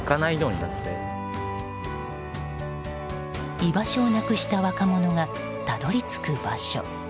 居場所をなくした若者がたどり着く場所。